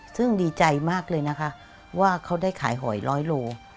ซึ่งดีใจมากเลยนะคะว่าเขาได้ขายหอยร้อยโล